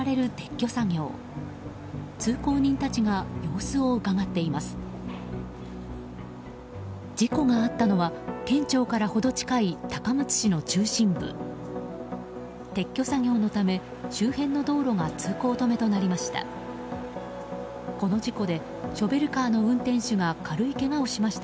撤去作業のため、周辺の道路が通行止めとなりました。